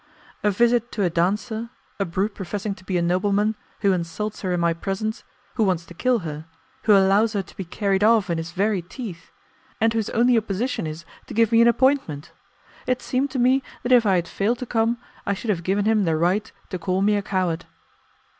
A visit to a dancer, a brute professing to be a nobleman, who insults her in my presence, who wants to kill her, who allows her to be carried off in his very teeth, and whose only opposition is to give me an appointment! It seemed to me that if I had failed to come, I should have given him the right to call me a coward.